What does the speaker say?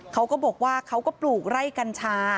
เขาก็บอกว่าเขาก็ปลูกไร่กัญชา